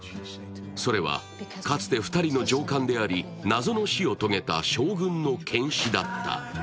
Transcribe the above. それはかつて２人の上官であり、謎の死を遂げた将軍の検死だった。